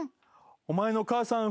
「お前の母さん